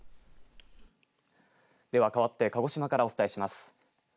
では、かわって鹿児島からお伝えします。